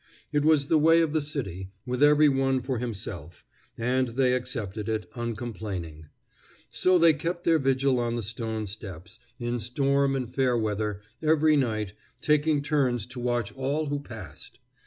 It was the way of the city, with every one for himself; and they accepted it, uncomplaining. So they kept their vigil on the stone steps, in storm and fair weather, every night, taking turns to watch all who passed.